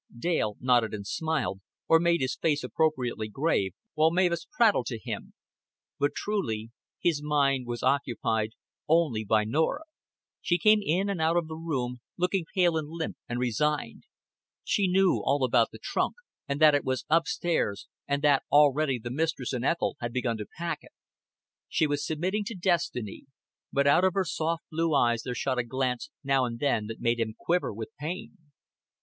Dale nodded and smiled, or made his face appropriately grave, while Mavis prattled to him; but truly his mind was occupied only by Norah. She came in and out of the room, looking pale and limp and resigned; she knew all about the trunk, and that it was up stairs and that already the mistress and Ethel had begun to pack it; she was submitting to destiny, but out of her soft blue eyes there shot a glance now and then that made him quiver with pain.